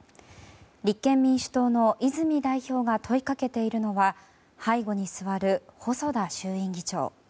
立憲民主党の泉代表が問いかけているのは背後に座る細田衆院議長。